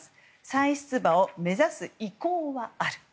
再出馬を目指す意向はある。